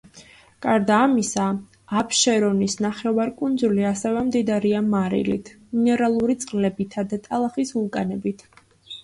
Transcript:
გარდა ამისა, აფშერონის ნახევარკუნძული ასევე მდიდარია მარილით, მინერალური წყლებითა და ტალახის ვულკანებით.